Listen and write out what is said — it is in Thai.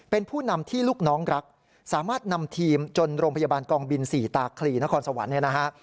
เป็นผู้นำที่ลูกน้องรักสามารถนำทีมจนโรงพยาบาลกองบิน๔ตาคลีนครสวรรค์เนี่ยนะฮะ